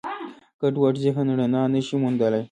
ګډوډ ذهن رڼا نهشي موندلی.